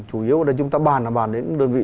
chủ yếu ở đây chúng ta bàn là bàn đến đơn vị